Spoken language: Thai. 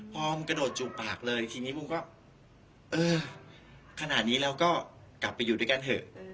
กระโดดจูบปากเลยทีนี้บูมก็เออขนาดนี้เราก็กลับไปอยู่ด้วยกันเถอะ